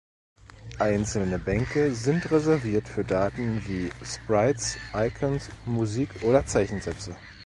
Einzelne Bänke sind reserviert für Daten wie Sprites, Icons, Musik oder Zeichensätze.